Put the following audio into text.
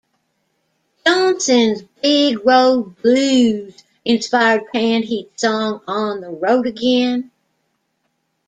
Johnson's "Big Road Blues" inspired Canned Heat's song "On the Road Again".